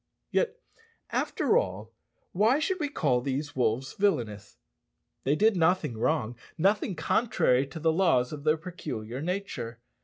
Yet, after all, why should we call these wolves villanous? They did nothing wrong nothing contrary to the laws of their peculiar nature.